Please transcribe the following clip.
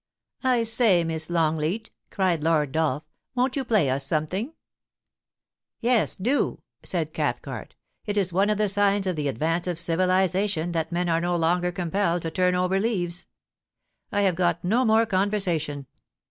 * I say, Miss Longleat,' cried Lord Dolph, * won't you play us something ?* i86 POLICY AND PASSION. * Yes, do,' said CathcarL * It is one of the signs of the advance of civilisation that men are no longer compelled to turn over leaves. I have got no more conversation.